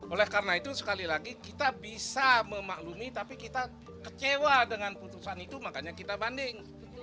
oleh karena itu sekali lagi kita bisa memaklumi tapi kita kecewa dengan putusan itu makanya kita banding